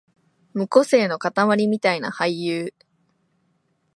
無個性のかたまりみたいな俳優